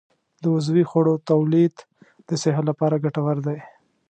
د عضوي خوړو تولید د صحت لپاره ګټور دی.